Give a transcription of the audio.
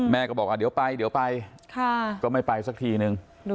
แม่ก็บอกว่าเดี๋ยวไปเดี๋ยวไปก็ไม่ไปสักทีนึง